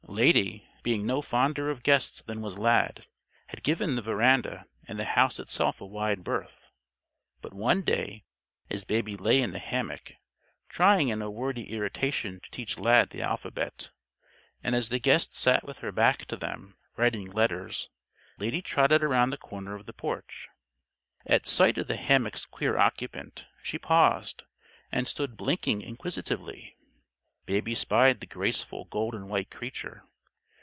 Lady, being no fonder of guests than was Lad, had given the veranda and the house itself a wide berth. But one day, as Baby lay in the hammock (trying in a wordy irritation to teach Lad the alphabet), and as the guest sat with her back to them, writing letters, Lady trotted around the corner of the porch. At sight of the hammock's queer occupant, she paused, and stood blinking inquisitively. Baby spied the graceful gold and white creature.